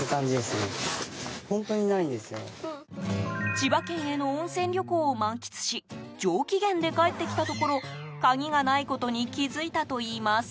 千葉県への温泉旅行を満喫し上機嫌で帰ってきたところ鍵がないことに気づいたといいます。